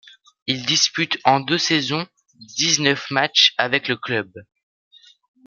Il dispute en deux saisons dix-neuf matchs avec le club.